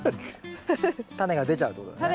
タネが出ちゃうってことだね。